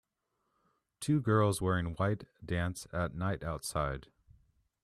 Two girls wearing white dance at night outside.